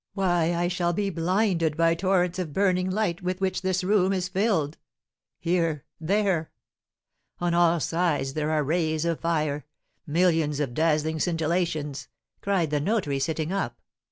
Why, I shall be blinded by torrents of burning light, with which this room is filled. Here! There! On all sides, there are rays of fire millions of dazzling scintillations!" cried the notary, sitting up.